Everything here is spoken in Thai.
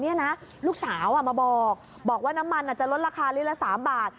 นี่นะลูกสาวมาบอกบอกว่าน้ำมันอาจจะลดราคาลิตรละ๓บาท